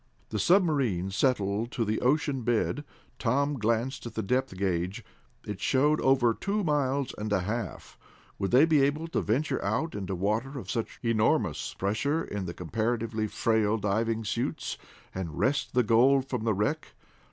The submarine settled to the ocean bed. Tom glanced at the depth gage. It showed over two miles and a half. Would they be able to venture out into water of such enormous pressure in the comparatively frail diving suits, and wrest the gold from the wreck?